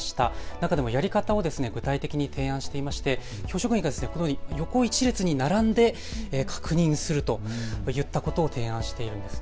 中でも、やり方を具体的に提案していまして教職員が横１列に並んで確認するといったことを提案しているんです。